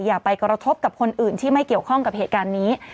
อย่าไปกระทบกับคนอื่นที่ไม่เกี่ยวข้องกับเหตุการณ์นี้